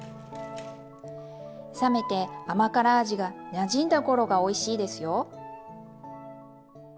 冷めて甘辛味がなじんだ頃がおいしいですよ。